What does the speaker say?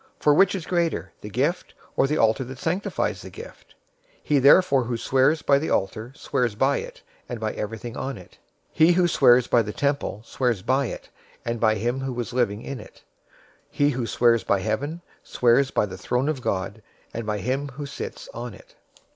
For which is greater, the gift, or the altar that sanctifies the gift? 023:020 He therefore who swears by the altar, swears by it, and by everything on it. 023:021 He who swears by the temple, swears by it, and by him who was living in it. 023:022 He who swears by heaven, swears by the throne of God, and by him who sits on it.